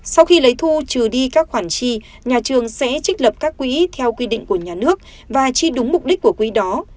sau khi lấy thu trừ đi các khoản chi nhà trường sẽ trích lập các quỹ theo quy định của nhà nước và chi đúng mục đích của quỹ đó